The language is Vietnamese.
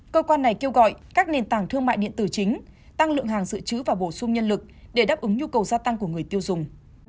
cơ quan này kêu gọi các nền tảng thương mại điện tử chính tăng lượng hàng dự trữ và bổ sung nhân lực để đáp ứng nhu cầu gia tăng của người tiêu dùng